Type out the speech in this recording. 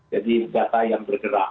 jadi data yang bergerak